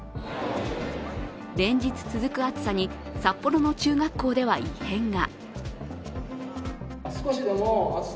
連日続く暑さに、札幌の中学校では異変が。